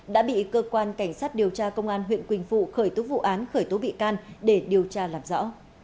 đã bị cơ quan cảnh sát điều tra công an huyện quỳnh phụ khởi tố vụ án khởi tố bị can để điều tra làm rõ